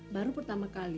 baru pertama kali